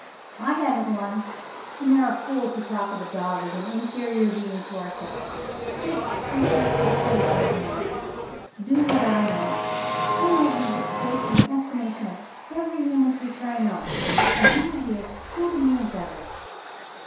I haven't one. And there are fools who talk of a dog as an inferior being to ourselves! This creature's faithful love is mine, do what I may. I might be disgraced in the estimation of every human creature I know, and he would be as true to me as ever.